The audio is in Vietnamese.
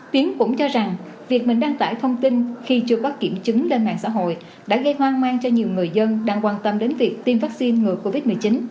tiến cũng cho rằng việc mình đăng tải thông tin khi chưa có kiểm chứng lên mạng xã hội đã gây hoang mang cho nhiều người dân đang quan tâm đến việc tiêm vaccine ngừa covid một mươi chín